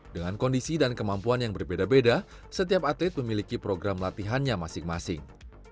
dengan kondisi dan kemampuan yang berbeda beda setiap atlet memiliki program latihannya masing masing